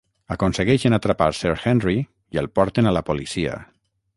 Aconsegueixen atrapar Sir Henry i el porten a la policia.